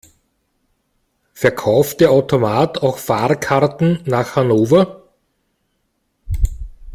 Verkauft der Automat auch Fahrkarten nach Hannover?